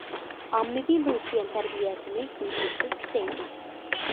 ئاممىۋى لۇشيەن تەربىيەسىنى ئۈزلۈكسىز كۈچەيتىش.